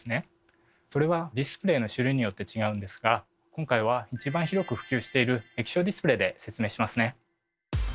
それはディスプレーの種類によって違うんですが今回は一番広く普及している液晶ディスプレーで説明しますね。